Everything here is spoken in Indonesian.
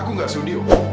aku gak sudi bu